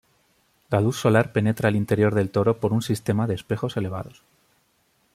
La luz solar penetra al interior del toro por un sistema de espejos elevados.